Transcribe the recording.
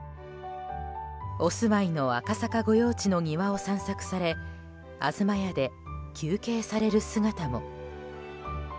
お住まいの赤坂御用地の庭を散策され東屋で休憩される姿も。